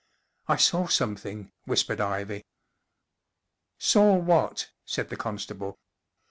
44 I saw something," whispered Ivy. 44 Saw what ?" said the constable.